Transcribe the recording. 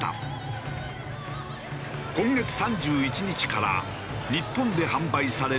今月３１日から日本で販売される